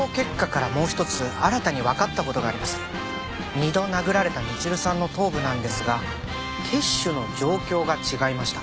二度殴られたみちるさんの頭部なんですが血腫の状況が違いました。